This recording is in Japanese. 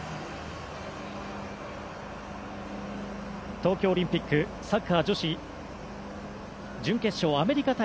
東京オリンピックサッカー女子準決勝アメリカ対